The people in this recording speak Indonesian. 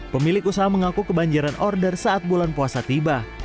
pemilik usaha mengaku kebanjiran order saat bulan puasa tiba